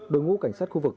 đội ngũ cảnh sát khu vực